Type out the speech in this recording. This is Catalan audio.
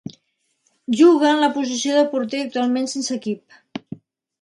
Juga en la posició de porter actualment sense equip.